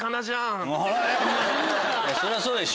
そりゃそうでしょ！